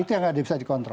itu yang gak bisa dikontrol